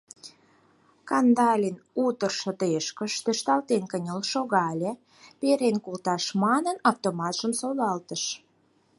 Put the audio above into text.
— Кандалин утыр шыдешкыш, тӧршталтен кынел шогале, перен колташ манын, автоматшым солалтыш.